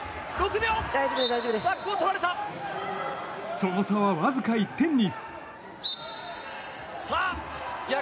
その差は、わずか１点に。